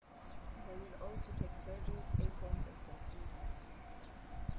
They will also take berries, acorns, and some seeds.